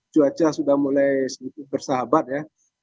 cuaca sudah mulai sedikit bersahabat ya